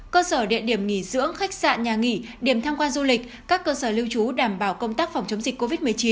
cơ sở địa điểm nghỉ dưỡng khách sạn nhà nghỉ điểm tham quan du lịch các cơ sở lưu trú đảm bảo công tác phòng chống dịch covid một mươi chín